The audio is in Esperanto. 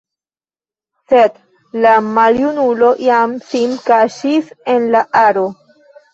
Sed la maljunulo jam sin kaŝis en la aro.